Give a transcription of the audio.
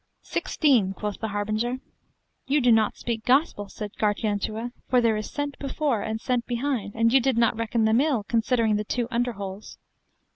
Sixteen, quoth the harbinger. You do not speak gospel, said Gargantua, for there is cent before, and cent behind, and you did not reckon them ill, considering the two under holes.